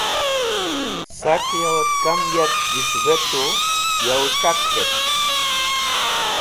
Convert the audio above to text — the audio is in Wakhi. Sakẽ yor kam yark dhisuvẽtu yawẽ c̃hak k̃hetk.